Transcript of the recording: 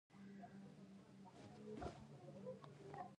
مذهبي زغم د ټولنې ثبات ته وده ورکوي.